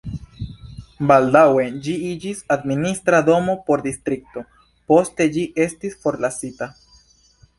Baldaŭe ĝi iĝis administra domo por distrikto, poste ĝi estis forlasita.